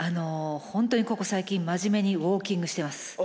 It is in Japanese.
本当にここ最近真面目にウォーキングしてます。